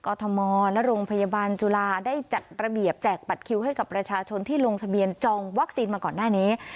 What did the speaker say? ทมและโรงพยาบาลจุฬาได้จัดระเบียบแจกบัตรคิวให้กับประชาชนที่ลงทะเบียนจองวัคซีนมาก่อนหน้านี้